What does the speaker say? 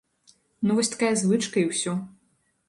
Ну вось такая звычка і ўсё.